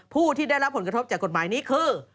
ผู้ที่ได้รับผลกระทบจากกฎหมายนี้คือ